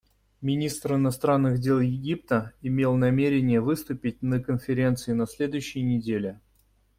Министр иностранных дел Египта имел намерение выступить на Конференции на следующей неделе.